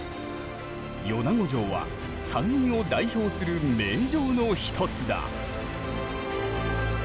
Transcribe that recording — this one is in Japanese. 米子城は山陰を代表する名城の一つだ。